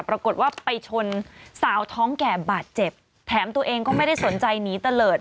ปรากฏว่าไปชนสาวท้องแก่บาดเจ็บแถมตัวเองก็ไม่ได้สนใจหนีตะเลิศ